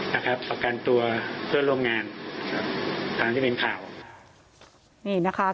สะกัดตัวเพื่อนร่วมงาน